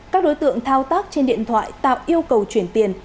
các đối tượng thao tác trên điện thoại tạo yêu cầu chuyển tiền